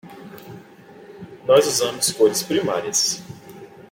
Nós usamos cores primárias.